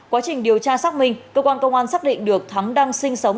quá trình điều tra xác minh cơ quan công an xác định được thắng đang sinh sống